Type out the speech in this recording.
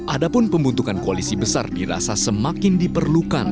adapun pembentukan koalisi besar dirasa semakin diperlukan